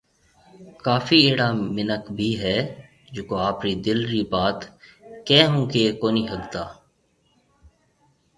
ڪافي اهڙا منک ڀِي هي جڪو آپرِي دل رِي بات ڪي ھون ڪهيَ ڪونهي ݾگتا